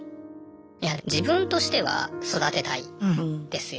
いや自分としては育てたいですよ。